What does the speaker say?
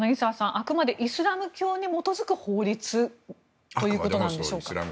あくまでイスラム教に基づく法律ということなんでしょうね。